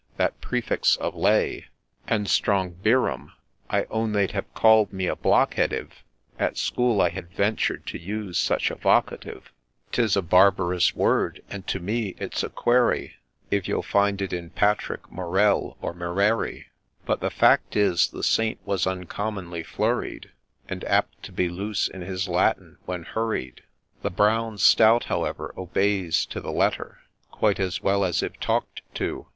That praefix of ' Lay,' A LAY OF ST. DUNSTAN 143 And Strongbeerum !— I own they'd have call'd me a blockhead if At school I had ventured to use such a Vocative ; 'Tis a barbarous word, and to me it's a query If you'll find it in Patrick, Morell, or Moreri ; But, the fact is, the Saint was uncommonly flurried, And apt to be loose in his Latin when hurried ; The Brown stout, however, obeys to the letter, Quite as well as if talk'd to.